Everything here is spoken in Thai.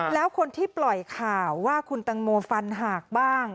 แล้วคนที่ปล่อยข่าวว่าคุณตังโมฟันหากบ้าง